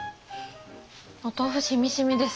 お豆腐しみしみです。